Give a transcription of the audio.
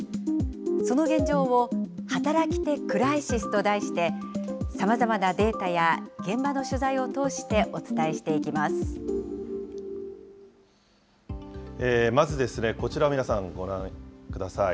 その現状を、働き手クライシスと題して、さまざまなデータや現場の取材を通しまずこちらを皆さん、ご覧ください。